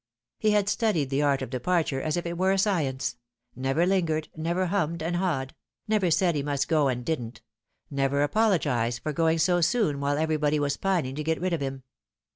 He had studied the art of departure as if it were a science : never lingered, never hummed and hawed ; never said he must go and didn't ; never apologised for going so soon while every body was pining to get rid of him.